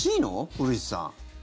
古市さん。